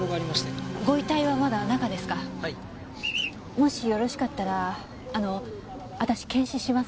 もしよろしかったらあの私検視しますけど。